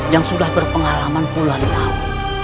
yang sudah berpengalaman puluhan tahun